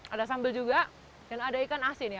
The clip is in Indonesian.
ada sambal juga dan ada ikan asin ya